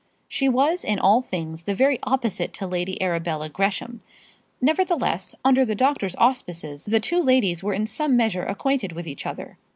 She was in all things the very opposite to Lady Arabella Gresham; nevertheless, under the doctor's auspices, the two ladies were in some measure acquainted with each other.